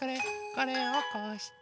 これをこうして。